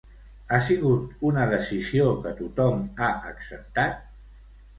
Ha sigut una decisió que tothom ha acceptat?